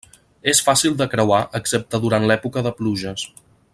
És fàcil de creuar excepte durant l'època de pluges.